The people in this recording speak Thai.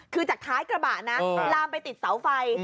คือจากท้ายกระบะนะลามไปติดเสาไฟ